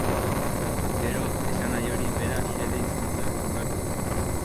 Gero, esanahi hori bera xede hizkuntzan eman behar du.